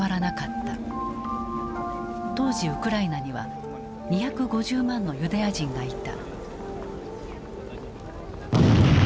当時ウクライナには２５０万のユダヤ人がいた。